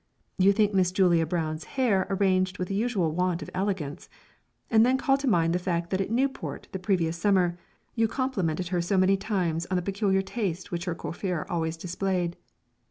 You think Miss Julia Brown's hair arranged with the usual want of elegance, and then call to mind the fact that at Newport, the previous summer, you complimented her so many times on the peculiar taste which her coiffure always displayed.